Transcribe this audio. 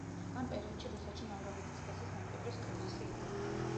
ამ პერიოდში რუსეთში მამრობითი სქესის მემკვიდრის კრიზისი იყო.